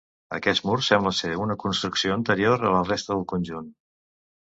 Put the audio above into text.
Aquest mur sembla ser una construcció anterior a la resta del conjunt.